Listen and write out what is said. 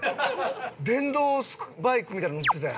電動バイクみたいの乗ってたやん。